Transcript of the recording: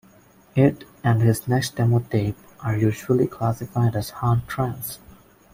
It, and his next demo tape, are usually classified as hard trance.